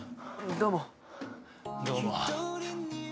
どうも。